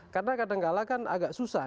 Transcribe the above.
karena kadangkala kan agak susah